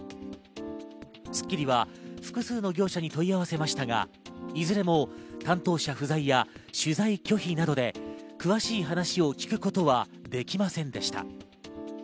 『スッキリ』は複数の業者に問い合わせましたが、いずれも担当者不在や取材拒否などで詳しい話を聞くことはできませんでした。